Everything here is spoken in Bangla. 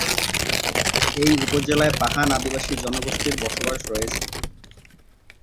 এ উপজেলায় পাহান আদিবাসি জনগোষ্ঠীর বসবাস রয়েছে।